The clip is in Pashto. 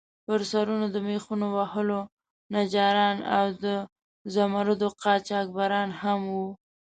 پر سرونو د میخونو وهلو نجاران او د زمُردو قاچاقبران هم وو.